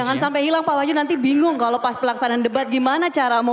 jangan sampai hilang pak wahyu nanti bingung kalau pas pelaksanaan debat gimana cara mau